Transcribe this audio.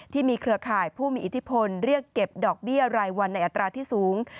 เครือข่ายผู้มีอิทธิพลเรียกเก็บดอกเบี้ยรายวันในอัตราที่สูง